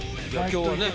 今日はね。